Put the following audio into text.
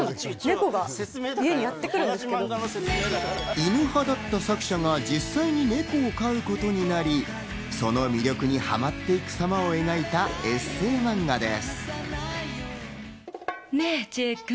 犬派だった作者が実際に猫を飼うことになり、その魅力にハマっていくさまを描いたエッセイ漫画です。